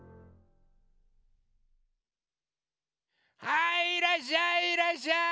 はいいらっしゃいいらっしゃい！